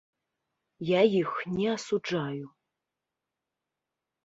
Я іх не асуджаю.